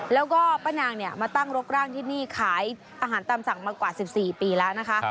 แล้วก็ป้านางเนี่ยมาตั้งรกร่างที่นี่ขายอาหารตามสั่งมากว่า๑๔ปีแล้วนะคะ